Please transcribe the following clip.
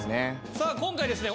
さあ今回ですね